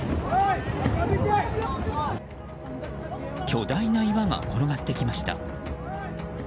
巨大な岩が転がってきました。